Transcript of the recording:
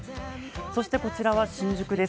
そしてこちらは新宿です。